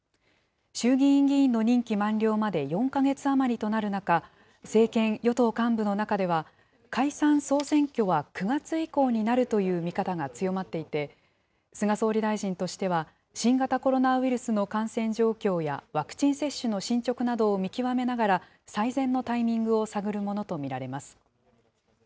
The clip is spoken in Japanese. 衆議院議員の任期満了まで４か月余りとなる中、政権与党幹部の中では、解散・総選挙は９月以降になるという見方が強まっていて、菅総理大臣としては、新型コロナウイルスの感染状況や、ワクチン接種の進捗などを見極めながら、最善のタイミングを探るものと見られます。